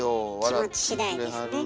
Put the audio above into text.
気持ち次第ですね。